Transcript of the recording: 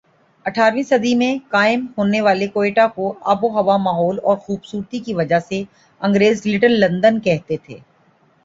اٹھارہویں صدی میں قائم ہونے والے کوئٹہ کو آب و ہوا ماحول اور خوبصورتی کی وجہ سے انگریز لٹل لندن کہتے تھے